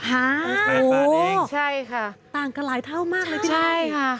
หาใช่ค่ะต่างกันหลายเท่ามากเลยพี่นายค่ะใช่ค่ะ